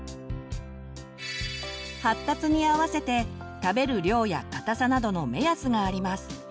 発達に合わせて食べる量や硬さなどの目安があります。